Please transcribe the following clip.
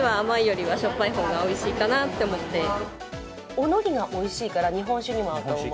おのりがおいしいから日本酒にも合う。